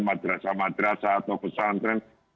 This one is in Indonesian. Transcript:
madrasah madrasah atau pesantren